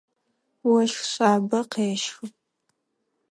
Ощх шъабэ къещхы.